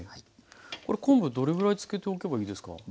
これ昆布どれぐらいつけておけばいいですか？